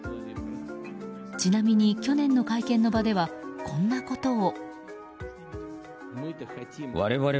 ちなみに去年の会見の場ではこんなことを。